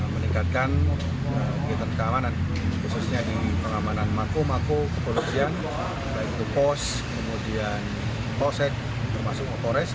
meningkatkan kegiatan keamanan khususnya di pengamanan mako mako kepolisian baik itu pos kemudian polsek termasuk polres